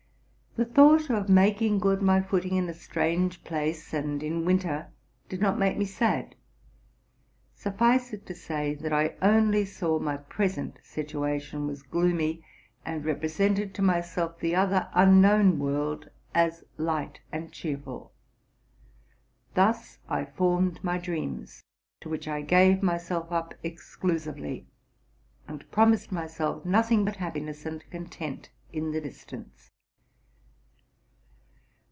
The thought of making good my footing in a strange place, and in winter, did not make me sad; suffice it to say, that I only saw my present situation was gloomy, and represented to myself the other unknown world as light and cheerful. Thus I formed my dreams, to which I gave my self up exclusively, and promised myself nothing but happi ness and content in the distance.